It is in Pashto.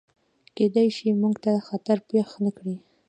کیدای شي، موږ ته خطر پیښ نکړي.